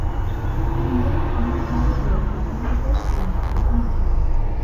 Iam ankaŭ fortikaĵo konstruiĝis.